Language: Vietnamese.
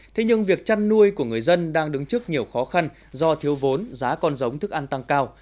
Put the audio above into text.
thế nhưng việc chăn nuôi của người dân đang đứng trước nhiều khó khăn do thiếu vốn giá con giống thức ăn tăng cao